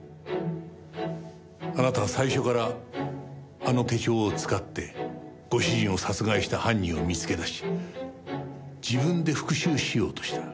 あなたは最初からあの手帳を使ってご主人を殺害した犯人を見つけ出し自分で復讐しようとした。